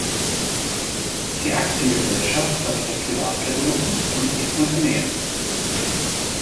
Die Aktiengesellschaft versichert Privatpersonen und Unternehmen.